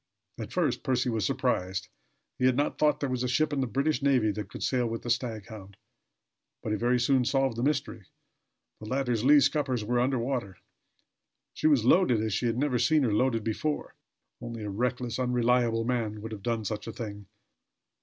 At first Percy was surprised. He had not thought there was a ship in the British navy that could sail with the Staghound; but he very soon solved the mystery. The latter's lee scuppers were under water. She was loaded as he had never seen her loaded before. Only a reckless, unreliable man could have done such a thing.